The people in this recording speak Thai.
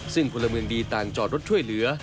ซึ่งพลเมืองดีต่างจอดรถช่วยเหลือ